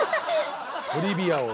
『トリビア』を。